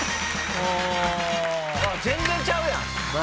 あっ全然ちゃうやん！